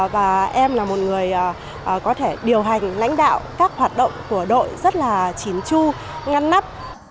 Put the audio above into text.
và em là một người có thể điều hành lãnh đạo các hoạt động của đội rất là chín chu ngăn nắp